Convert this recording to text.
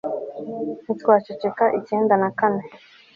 ntitwaceceka icyenda na kane